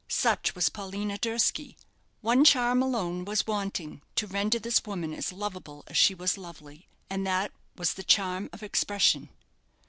Such was Paulina Durski. One charm alone was wanting to render this woman as lovable as she was lovely, and that wan the charm of expression.